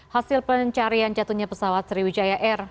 hasil pencarian jatuhnya pesawat sriwijaya air